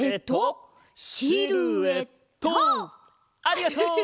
ありがとう！